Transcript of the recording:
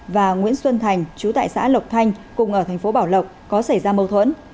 và nguyễn xuân thành chú tại xã lộc thanh cùng ở thành phố bảo lộc có xảy ra mâu thuẫn